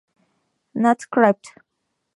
Nat., Crypt.